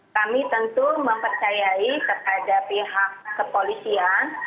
kami tentu mempercayai kepada pihak kepolisian